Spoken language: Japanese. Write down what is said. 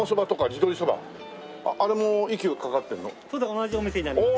同じお店になります。